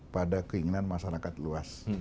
pada keinginan masyarakat luas